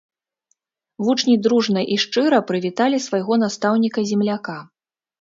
Вучні дружна і шчыра прывіталі свайго настаўніка-земляка.